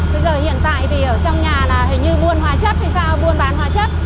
bây giờ hiện tại thì ở trong nhà là hình như buôn hóa chất hay sao buôn bán hóa chất